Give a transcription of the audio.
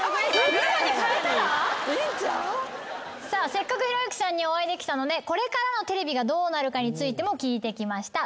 せっかくひろゆきさんにお会いできたのでこれからのテレビがどうなるかについても聞いてきました。